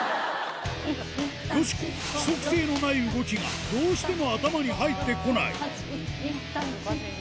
よしこ、規則性のない動きがどうしても頭に入ってこない。